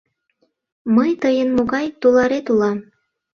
Мый тыйын могай туларет улам?